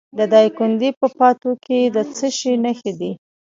د دایکنډي په پاتو کې د څه شي نښې دي؟